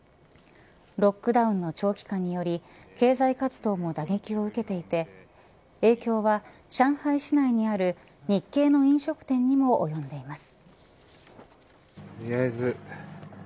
ロックダウンの長期化により経済活動も打撃を受けていて影響は上海市内にある日系の飲食店にもおよんでいます。